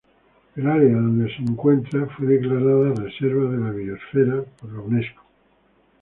El área donde se encuentra fue declarada Reserva de la Biósfera por la Unesco.